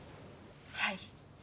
はい。